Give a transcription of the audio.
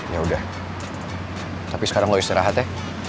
yaudah tapi sekarang lo istirahat ya